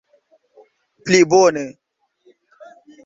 plibone